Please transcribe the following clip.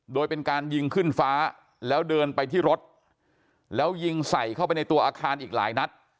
โดยเป็นการยิงขึ้นฟ้าแล้วเดินไปที่รถแล้วยิงใส่เข้าไปในตัวอาคารอีกหลายนัด